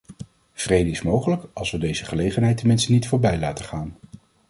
Vrede is mogelijk, als we deze gelegenheid tenminste niet voorbij laten gaan.